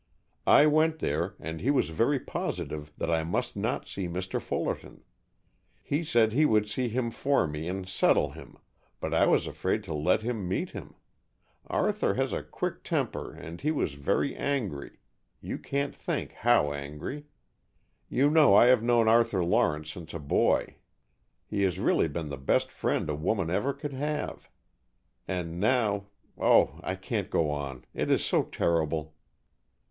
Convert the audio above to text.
"I went there, and he was very positive that I must not see Mr. Fullerton. He said he would see him for me and 'settle' him, but I was afraid to let him meet him, Arthur has a quick temper and he was very angry, you can't think how angry. You know I have known Arthur Lawrence since a boy. He has really been the best friend a woman ever could have, and now Oh, I can't go on. It is so terrible."